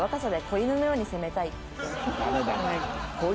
子犬のように攻めたい。